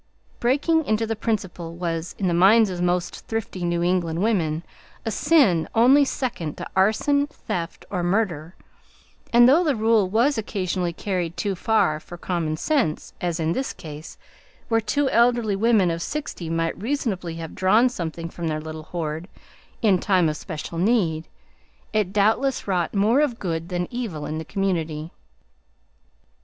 "Breaking into the principal" was, in the minds of most thrifty New England women, a sin only second to arson, theft, or murder; and, though the rule was occasionally carried too far for common sense, as in this case, where two elderly women of sixty might reasonably have drawn something from their little hoard in time of special need, it doubtless wrought more of good than evil in the community.